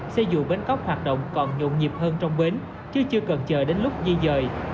xe dù bến cóc hoạt động còn nhộn nhịp hơn trong bến chứ chưa cần chờ đến lúc di dời